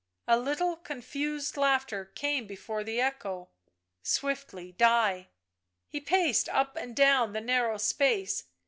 A little confused laughter came before the echo <l swiftly die." He paced up and down the narrow space.